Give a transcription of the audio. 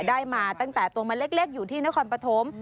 ได้มาตั้งแต่ตัวมันเล็กอยู่ที่นครปฐม